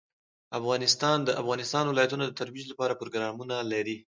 افغانستان د د افغانستان ولايتونه د ترویج لپاره پروګرامونه لري.